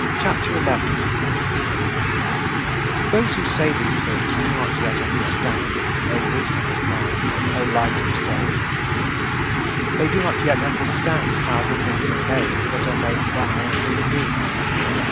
" CHAPTER XI 13. Those who say these things do not yet understand thee, O Wisdom of God, O Light of souls. They do not yet understand how the things are made that are made by and in thee.